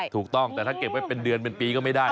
ถูกต้องแต่ถ้าเก็บไว้เป็นเดือนเป็นปีก็ไม่ได้